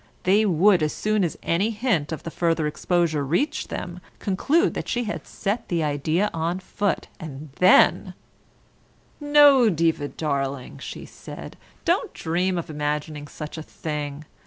They would, as soon as any hint of the further exposure reached them, conclude that she had set the idea on foot, and then "No, Diva darling," she said, "don't dream of imagining such a thing.